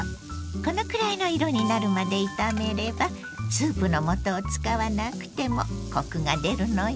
このくらいの色になるまで炒めればスープのもとを使わなくてもコクが出るのよ。